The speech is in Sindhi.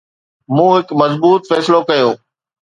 مون هڪ مضبوط فيصلو ڪيو